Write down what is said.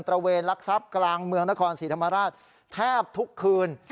ระเวนลักทรัพย์กลางเมืองนครศรีธรรมราชแทบทุกคืน